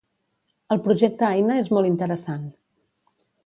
El projecte Aina és molt interessant.